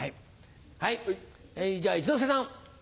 はいじゃあ一之輔さん。